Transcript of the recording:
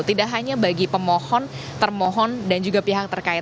tidak hanya bagi pemohon termohon dan juga pihak terkait